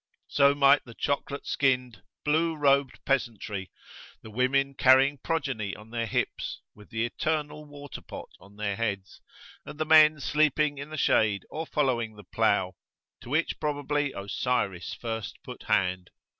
So might the chocolate skinned, blue robed peasantry; the women carrying progeny on their hips, with the eternal waterpot on their heads; and the men sleeping in the shade or following the plough, to which probably Osiris first put hand.